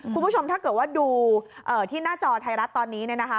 คุณผู้ชมถ้าเกิดว่าดูที่หน้าจอไทยรัฐตอนนี้เนี่ยนะคะ